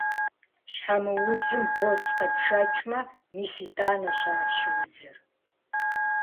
Щхьэмыузым боз къепшэкӀмэ, мис итӀанэщ ар щыузыр.